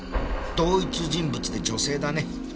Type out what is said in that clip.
同一人物で女性だね。